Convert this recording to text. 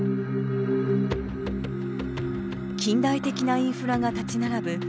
近代的なインフラが立ち並ぶ